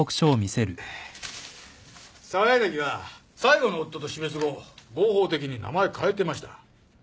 澤柳は最後の夫と死別後合法的に名前変えてました。